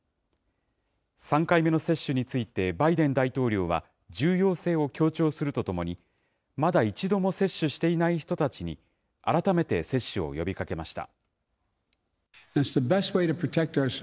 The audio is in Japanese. ３回目の接種についてバイデン大統領は、重要性を強調するとともに、まだ１度も接種していない人たちに、改めて接種を呼びかけました。